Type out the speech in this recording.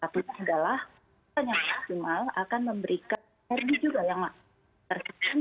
satu adalah penyinaran maksimal akan memberikan air juga yang maksimal